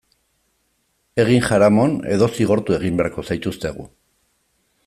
Egin jaramon edo zigortu egin beharko zaituztegu.